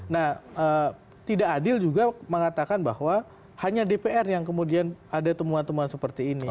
nah tidak adil juga mengatakan bahwa hanya dpr yang kemudian ada temuan temuan seperti ini